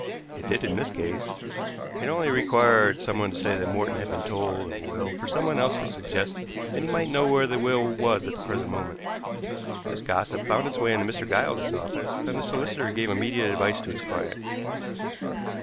It did in this case. It only required someone to say that Morton had been told of a will for someone else to suggest that he might know where the will was at the present moment. This gossip found its way into Mr. Giles's office, and the solicitor gave immediate advice to his client.